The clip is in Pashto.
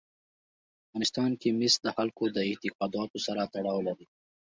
په افغانستان کې مس د خلکو د اعتقاداتو سره تړاو لري.